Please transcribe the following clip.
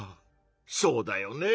そうだよね。